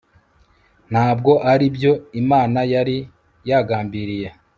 ntabwo ari byo imana yari yagambiriye